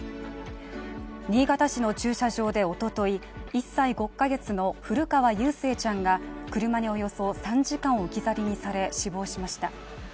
新潟市の駐車場で一昨日、１歳５ヶ月の古川祐誠ちゃんが車におよそ３時間置き去りにされ死亡しました。